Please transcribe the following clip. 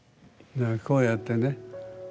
こうやってね。